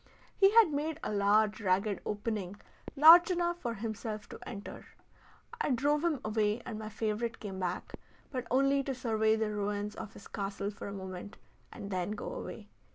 He had made a large ragged opening large enough for himself to enter. I drove him away and my favorite came back, but only to survey the ruins of his castle for a moment and then go away.